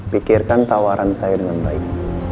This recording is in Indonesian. pikirkan tawaran saya dengan baik